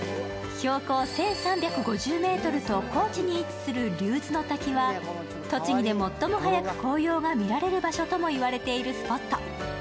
標高１３５０ｍと高地に位置する竜頭ノ滝は栃木で最も早く紅葉が見られる場所とも言われているスポット。